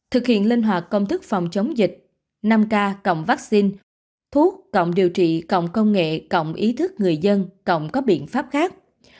thực hiện linh hoạt công thức phòng chống dịch năm k cộng vaccine thuốc cộng điều trị còng công nghệ cộng ý thức người dân còn có biện pháp khác